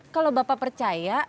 kalau bapak percaya